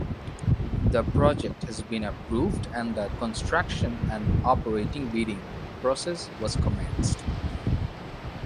The project has been approved and the construction and operating bidding process was commenced.